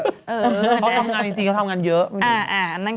เขาทำงานจริงเขาทำงานเยอะ